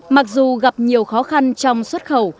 mặc dù gặp nhiều khó khăn trong xuất khẩu